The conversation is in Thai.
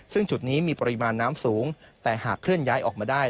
ซึ่งจุดนี้มีปริมาณน้ำสูงแต่หากเคลื่อนย้ายออกมาได้